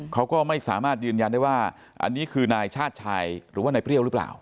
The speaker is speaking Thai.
เขาก็ไม่สามารถยืนยันได้ว่าอันนี้คือนายชาติชายหรือว่านายเปรี้ยวหรือเปล่า